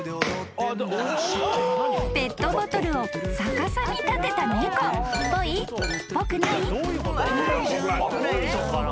［ペットボトルを逆さに立てた猫］ぽいのかな？